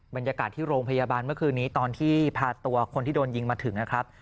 บรรยากาศที่โรงพยาบาลเมื่อคืนนี้ตอนที่พาตัวคนที่โดนยิงมาถึงนะครับ